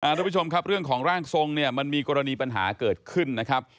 ทุกผู้ชมครับเรื่องของร่างทรงเนี่ยมันมีกรณีปัญหาเกิดขึ้นนะครับ